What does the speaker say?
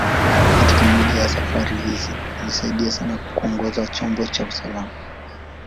Katika moja ya safari hizi, alisaidia sana kuongoza chombo kwa usalama.